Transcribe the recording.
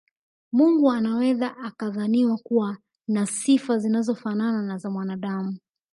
Mungu anaweza akadhaniwa kuwa na sifa zinazofanana na za mwanaadamu